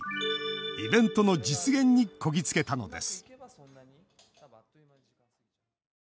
イベントの実現にこぎ着けたのです